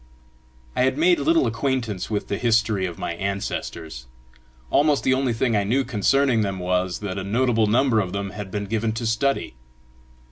I had made little acquaintance with the history of my ancestors. Almost the only thing I knew concerning them was, that a notable number of them had been given to study.